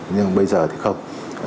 nhưng bây giờ thì không